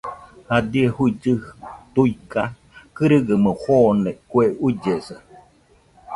Jadie juillɨji tuiga kɨrɨgaɨmo joone kue ullesa.